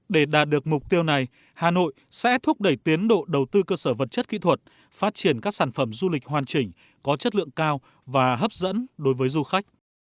để đạt được mục tiêu này hà nội sẽ thúc đẩy tiến độ đầu tư cơ sở vật chất kỹ thuật phát triển các sản phẩm du lịch hoàn chỉnh có chất lượng cao và hấp dẫn đối với du khách